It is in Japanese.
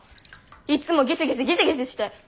いっつもギスギスギスギスして。